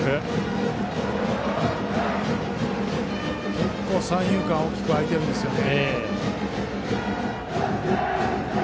結構、三遊間が大きく空いていますね。